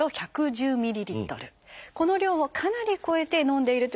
この量をかなり超えて飲んでいるという方は。